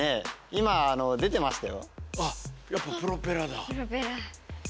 今出てましたよ。